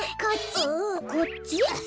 こっち？